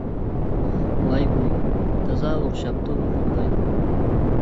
ۋاي-ۋۇي، تازا ئوخشاپتۇ بۇ بۇغداي!